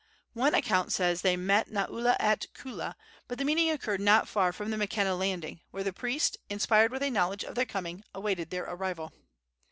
One account says they met Naula at Kula; but the meeting occurred not far from the Makena landing, where the priest, inspired with a knowledge of their coming, awaited their arrival.